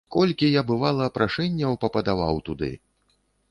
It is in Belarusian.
Колькі я, бывала, прашэнняў пападаваў туды.